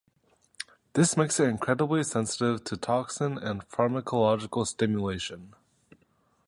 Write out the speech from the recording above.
This makes it incredibly sensitive to toxin and pharmacological stimulation.